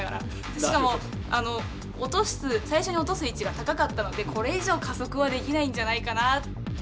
しかも最初に落とす位置が高かったのでこれ以上加速はできないんじゃないかな。